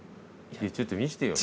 ちょっと見せてよ。